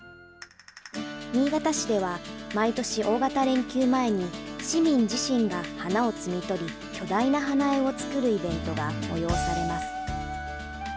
新潟市では、毎年大型連休前に、市民自身が花を摘み取り、巨大な花絵を作るイベントが催されます。